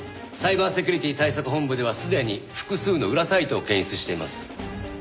サイバーセキュリティ対策本部ではすでに複数の裏サイトを検出しています。